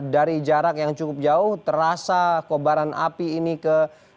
dari jarak yang cukup jauh terasa kobaran api ini ke